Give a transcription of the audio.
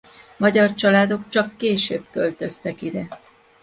Magyar családok csak később költöztek ide.